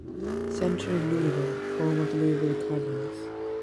Center in Louisville (home of the Louisville Cardinals).